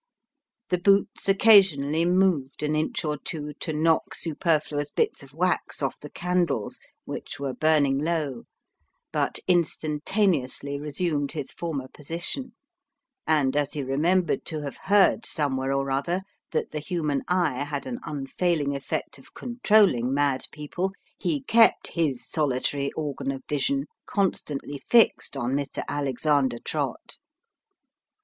The boots occasionally moved an inch or two, to knock superfluous bits of wax off the candles, which were burning low, but instantaneously resumed his former position ; and as he remembered to have heard, somewhere or other, that the human eye had an unfailing effect in controlling mad people, he kept his solitary organ of vision constantly fixed on Mr. Alexander Trott.